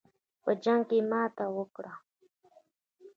په جنګ کې ماته وکړه.